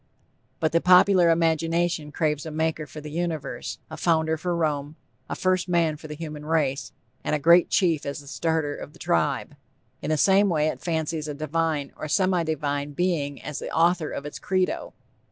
But the popular imagination craves a Maker for the Universe, a founder for Rome, a first man for the human race, and a great chief as the starter of the tribe. In the same way it fancies a divine, or semi divine being as the author of its _credo.